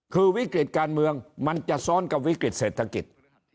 คือวิกฤติการเมืองมันจะซ้อนกับวิกฤติเศรษฐกิจ